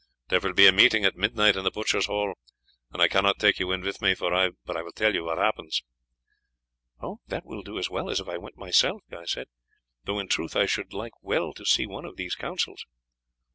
"There will be a meeting at midnight in the butchers' hall, and I cannot take you in with me, but I will tell you what happens." "That will do as well as if I went myself," Guy said, "though in truth I should like well to see one of these councils."